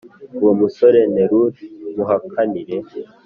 uwo musore nerure muhakanire